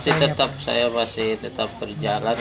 masih tetap saya masih tetap berjalan